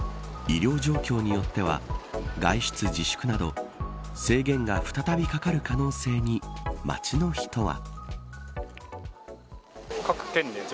医療状況によっては外出自粛など制限が再びかかる可能性に街の人は。